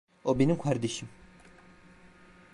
O benim kardeşim.